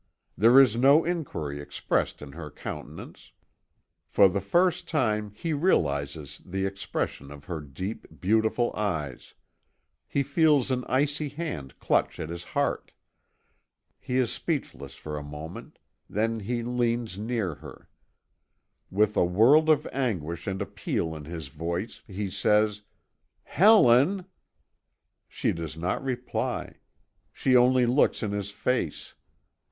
There is no inquiry expressed in her countenance. For the first time he realizes the expression of her deep, beautiful eyes. He feels an icy hand clutch at his heart. He is speechless for a moment; then he leans near her. With a world of anguish and appeal in his voice, he says: "Helen!" She does not reply; she only looks in his face.